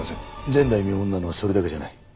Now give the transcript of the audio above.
前代未聞なのはそれだけじゃない。